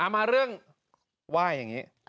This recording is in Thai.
มาเรื่องว่ายอย่างนี้